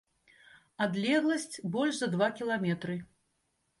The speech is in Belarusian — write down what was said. Адлегласць больш за два кіламетры.